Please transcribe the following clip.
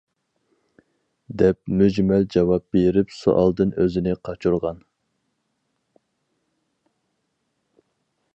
دەپ مۈجمەل جاۋاب بېرىپ سوئالدىن ئۆزىنى قاچۇرغان.